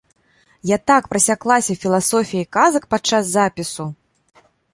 Я так прасяклася філасофіяй казак падчас запісу!!!